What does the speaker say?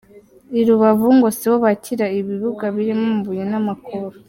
I Rubavu, ngo sibo bakira ibibuga birimo amabuye n’amakoro ….